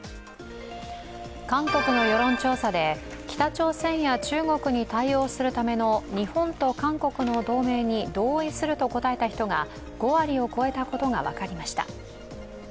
韓国の世論調査で北朝鮮や中国に対応するための日本と韓国の同盟に同意すると答えた人が５割を超えたことが分かりました。